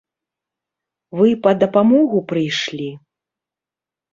Вы па дапамогу прыйшлі?